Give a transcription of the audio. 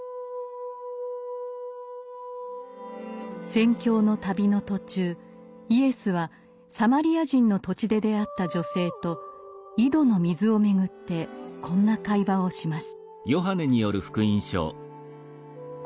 宣教の旅の途中イエスはサマリア人の土地で出会った女性と井戸の水をめぐってこんな会話をします。